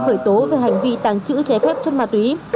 khởi tố về hành vi tàng trữ trái phép chất ma túy